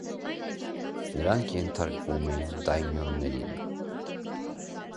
Նրանք ենթարկվում էին դայմյոններին։